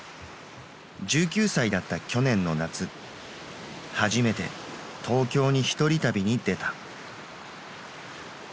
１９歳だった去年の夏初めて東京に１人旅に出た。